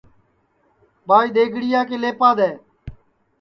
ٻائی دؔیگڑِیا کے لیپا دؔے